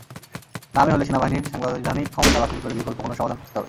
নামে হলে সেনাবাহিনীর সাংবিধানিক ক্ষমতা বাতিল করে বিকল্প কোনো সমাধান খুঁজতে হবে।